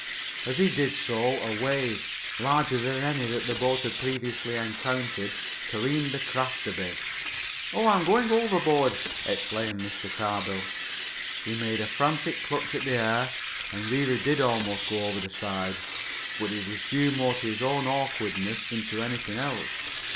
As he did so a wave, larger than any that the boat had previously encountered, careened the craft a bit. "Oh, I'm going overboard!" exclaimed Mr. Tarbill. He made a frantic clutch at the air, and really did almost go over the side, but it was due more to his own awkwardness than to anything else.